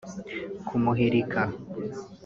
kumuhirika